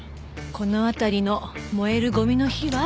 この辺りの燃えるゴミの日は？